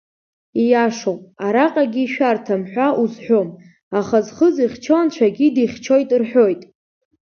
Ииашоуп, араҟагьы ишәарҭам ҳәа узҳәом, аха зхы зыхьчо Анцәагьы дихьчоит рҳәоит.